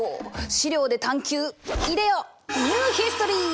資料で探求いでよニューヒストリー！